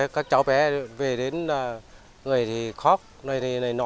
các cháu bé về đến người thì khóc này này nọ